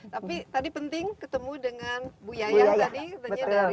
tapi tadi penting ketemu dengan bu yayah tadi